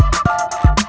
kau mau kemana